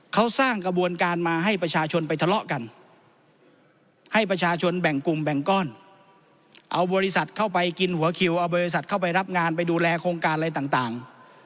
เขาสร้างกระบวนการมาให้ประชาชนไปทะเลาะกันให้ประชาชนแบ่งกลุ่มแบ่งก้อนเอาบริษัทเข้าไปกินหัวคิวเอาบริษัทเข้าไปรับงานไปดูแลโครงการอะไรต่าง